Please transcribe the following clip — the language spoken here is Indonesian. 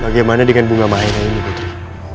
bagaimana dengan bunga maena ini putri